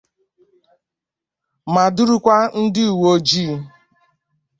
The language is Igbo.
ma durukwa ndị uwe ojii